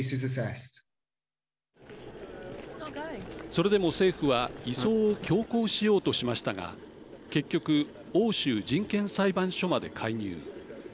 それでも政府は移送を強行しようとしましたが結局、欧州人権裁判所まで介入。